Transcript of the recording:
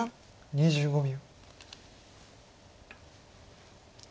２５秒。